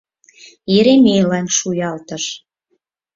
— Еремейлан шуялтыш.